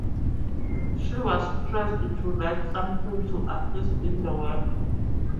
She was pressed to write something to assist in the work.